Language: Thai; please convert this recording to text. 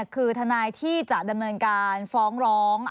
คือทนายที่จะดำเนินการฟ้องร้อง